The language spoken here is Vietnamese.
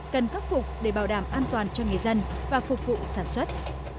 cần khắc phục để bảo đảm an toàn cho người dân và phục vụ sản xuất